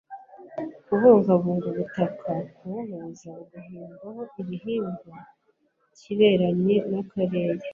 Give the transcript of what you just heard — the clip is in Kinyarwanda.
kubungabunga ubutaka, kubuhuza bugahingwaho igihingwa kiberanye n' akarere